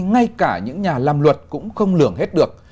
ngay cả những nhà làm luật cũng không lường hết được